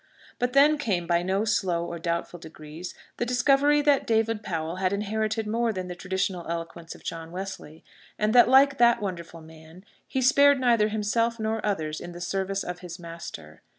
But then came, by no slow or doubtful degrees, the discovery that David Powell had inherited more than the traditional eloquence of John Wesley; and that, like that wonderful man, he spared neither himself nor others in the service of his Master.